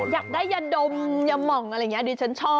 อยากได้ยะดมยะหม่องอะไรเงี้ยดิฉันชอบ